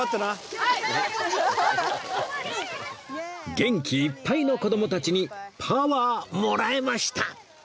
元気いっぱいの子どもたちにパワーもらえました！